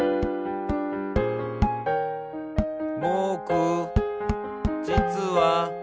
「ぼくじつは」